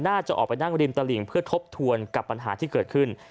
น่าจะออกไปนั่งริมตลิ่งเพื่อทบทวนกับปัญหาที่เกิดขึ้น